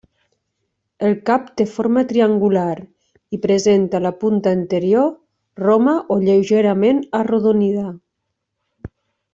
El cap té forma triangular i presenta la punta anterior roma o lleugerament arrodonida.